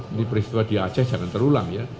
ini peristiwa di aceh jangan terulang ya